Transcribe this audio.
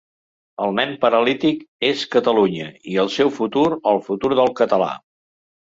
El nen paralític és Catalunya, i el seu futur, el futur del català.